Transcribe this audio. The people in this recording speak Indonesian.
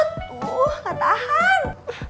tuh gak tahan